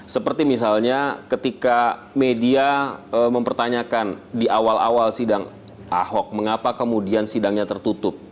seperti misalnya ketika media mempertanyakan di awal awal sidang ahok mengapa kemudian sidangnya tertutup